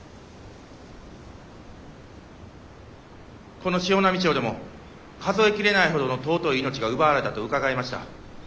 この潮波町でも数え切れないほどの尊い命が奪われたと伺いました。